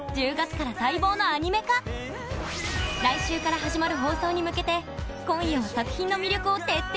来週から始まる放送に向けて今夜は作品の魅力を徹底解剖。